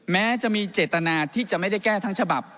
แม้จะมีเจตนาที่จะไม่ได้แก้ทั้งฉบับ